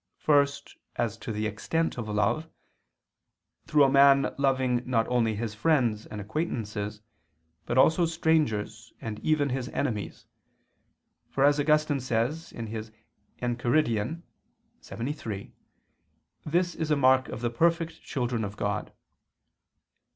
First, as to the extent of love, through a man loving not only his friends and acquaintances but also strangers and even his enemies, for as Augustine says (Enchiridion lxxiii) this is a mark of the perfect children of God.